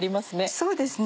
そうですね